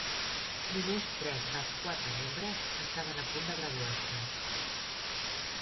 Només tres dels quatre membres estaven a punt de graduar-se.